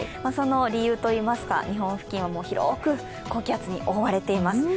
その理由といいますか、日本付近を広く高気圧に覆われています。